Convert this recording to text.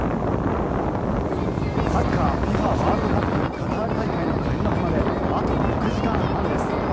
サッカーＦＩＦＡワールドカップカタール大会の開幕まであと６時間半です。